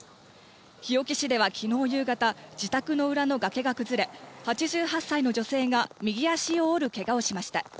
日置市ではきのう夕方、自宅の裏の崖が崩れ、８８歳の女性が右足を折るけがをしました。